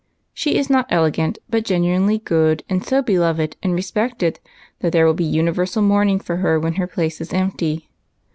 She is not elegant, but genuinely good, and so beloved and respected that there will be universal mourning for her when her place is empty.